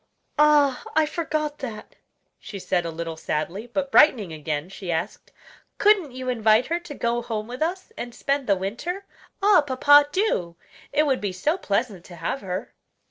"Ah! I forgot that," she said a little sadly; but brightening again, she asked: "Couldn't you invite her to go home with us and spend the winter? Ah! papa, do! it would be so pleasant to have her."